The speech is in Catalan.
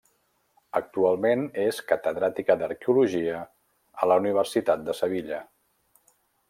Actualment és catedràtica d'arqueologia a la Universitat de Sevilla.